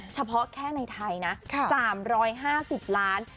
เฉพาะแค่ในไทยนะค่ะสามร้อยห้าสิบล้าน